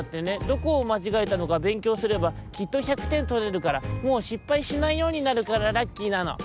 どこをまちがえたのかべんきょうすればきっと１００てんとれるからもうしっぱいしないようになるからラッキーなの」。